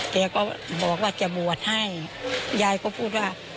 แกก็บอกว่าจะบวชให้ยายก็พูดว่า